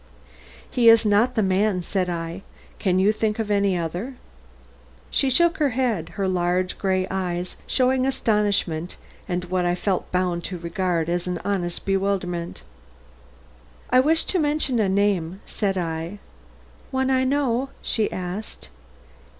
"He is not the man," said I. "Can you think of any other?" She shook her head, her large gray eyes showing astonishment and what I felt bound to regard as an honest bewilderment. "I wish to mention a name," said I. "One I know?" she asked.